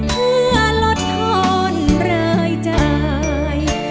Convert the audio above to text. เพื่อลดทอนรายจ่าย